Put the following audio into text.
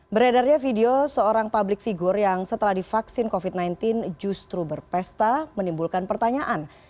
beredarnya video seorang public figure yang setelah divaksin covid sembilan belas justru berpesta menimbulkan pertanyaan